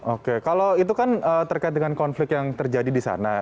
oke kalau itu kan terkait dengan konflik yang terjadi di sana